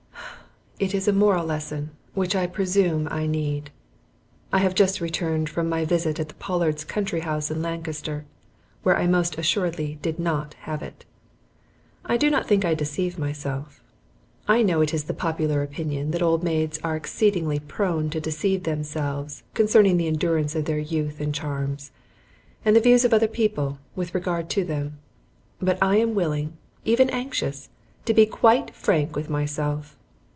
It is a moral lesson which I presume I need. I have just returned from my visit at the Pollards' country house in Lancaster, where I most assuredly did not have it. I do not think I deceive myself. I know it is the popular opinion that old maids are exceedingly prone to deceive themselves concerning the endurance of their youth and charms, and the views of other people with regard to them. But I am willing, even anxious, to be quite frank with myself.